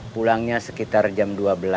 pulangnya sekitar jam dua belas